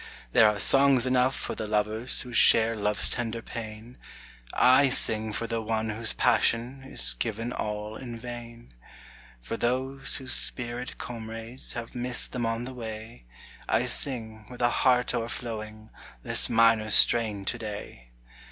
There are songs enough for the lovers Who share love's tender pain, I sing for the one whose passion Is given all in vain. For those whose spirit comrades Have missed them on the way, I sing, with a heart o'erflowing, This minor strain to day.